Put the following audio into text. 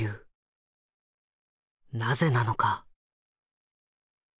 なぜなのか。